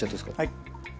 はい。